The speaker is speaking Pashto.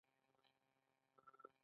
ایا زما ناروغي خطرناکه ده؟